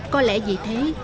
có lẽ vì thế